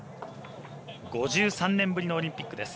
５３年ぶりのオリンピックです。